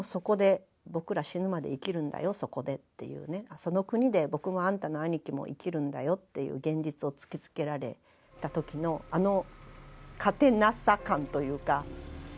その国で僕もあんたの兄貴も生きるんだよっていう現実を突きつけられた時のあの勝てなさ感というか。